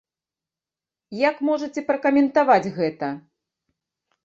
Як можаце пракаментаваць гэта?